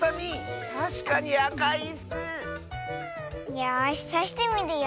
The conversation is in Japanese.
よしさしてみるよ。